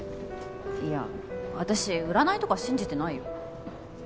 いや私占いとか信じてないよ？